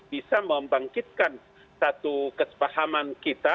bisa membangkitkan satu kesepahaman kita